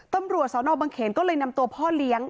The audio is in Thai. ตำรวจสนบังเขนก็เลยนำตัวพ่อเลี้ยง